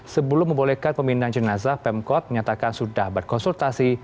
sebelum membolehkan pemindahan jenazah pemkot menyatakan sudah berkonsultasi